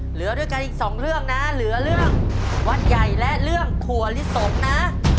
เหลือด้วยกันอีกสองเรื่องนะเหลือเรื่องวัดใหญ่และเรื่องถั่วลิสงนะ